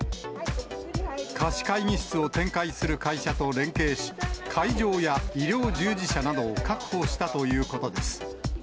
貸会議室を展開する会社と連携し、会場や医療従事者などを確保したということです。